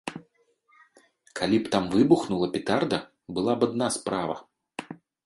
Калі б там выбухнула петарда, была б адна справа.